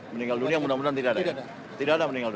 meninggal dunia mudah mudahan tidak ada meninggal